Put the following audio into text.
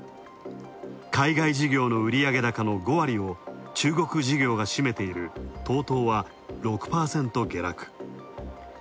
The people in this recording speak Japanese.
海外事業の売上高の５割を中国事業が閉めているＴＯＴＯは６％下落。